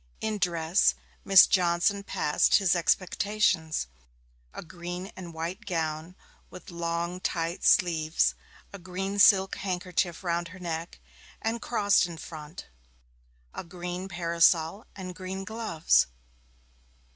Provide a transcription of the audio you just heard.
In dress, Miss Johnson passed his expectations a green and white gown, with long, tight sleeves, a green silk handkerchief round her neck and crossed in front, a green parasol, and green gloves.